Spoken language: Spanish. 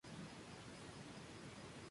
Es uno de los panes planos más gruesos.